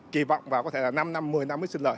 kỳ vọng vào có thể là năm năm một mươi năm mới sinh lợi